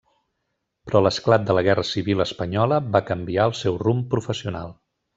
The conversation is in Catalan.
Però l'esclat de la Guerra Civil Espanyola va canviar el seu rumb professional.